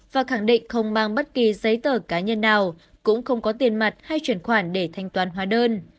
và khẳng định không mang bất kỳ giấy tờ cá nhân nào cũng không có tiền mặt hay chuyển khoản để thanh toán hóa đơn